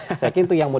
oke kita tunggu